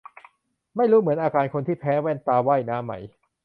ไม่รู้เหมือนอาการคนที่แพ้แว่นตาว่ายน้ำไหม